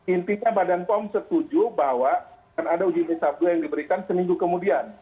intinya badan pom setuju bahwa akan ada uji klisab dua yang diberikan seminggu kemudian